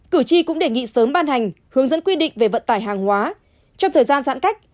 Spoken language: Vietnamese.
cử tri cũng đề nghị sớm ban hành hướng dẫn quy định về vận tải hàng hóa trong thời gian giãn cách